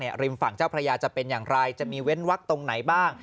ริมฝั่งเจ้าพระยาจะเป็นอย่างไรจะมีเว้นวักตรงไหนบ้าง